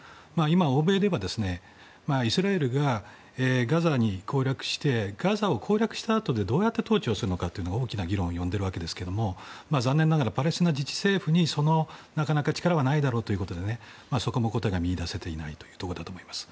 欧米ではイスラエルがガザを攻略したあとでどうやって統治するのかが大きな議論を呼んでいるわけですが残念ながらパレスチナ自治政府にその力はなかなかないだろうということでそこも答えが見いだせていないと思います。